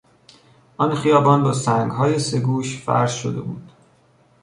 آن خیابان با سنگهای سه گوش فرش شده بود.